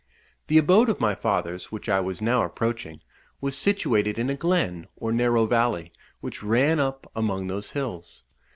The abode of my fathers, which I was now approaching, was situated in a glen, or narrow valley, which ran up among those hills.